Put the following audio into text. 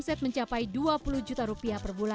itu rupiahnya pada tahunainsia empat hasil